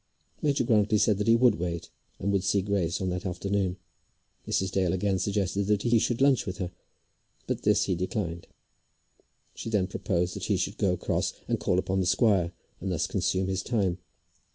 Major Grantly said that he would wait and would see Grace on that afternoon. Mrs. Dale again suggested that he should lunch with her, but this he declined. She then proposed that he should go across and call upon the squire, and thus consume his time.